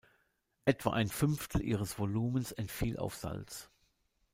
Etwa ein Fünftel ihres Volumens entfiel auf Salz.